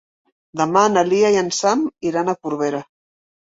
Demà na Lia i en Sam iran a Corbera.